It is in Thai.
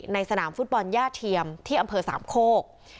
สนามฟุตบอลย่าเทียมที่อำเภอสามโคก